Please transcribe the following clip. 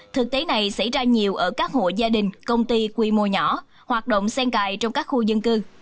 thực tế này xảy ra nhiều ở các hộ gia đình công ty quy mô nhỏ hoạt động sen cài trong các khu dân cư